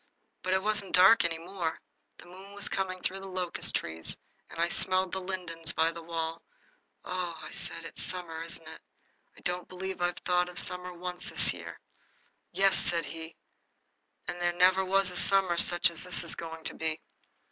But it wasn't dark any more. The moon was coming through the locust trees, and I smelled the lindens by the wall. "Oh," I said, "it's summer, isn't it? I don't believe I've thought of summer once this year." "Yes," said he, "and there never was a summer such as this is going to be."